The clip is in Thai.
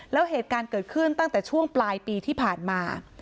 แล้วเหตุการณ์เกิดขึ้นตั้งแต่ช่วงปลายปีที่ผ่านมา